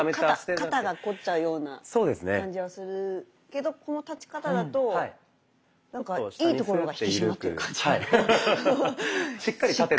肩が凝っちゃうような感じはするけどこの立ち方だとなんかいいところが引き締まってる感じが。